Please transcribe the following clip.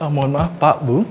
mohon maaf pak bu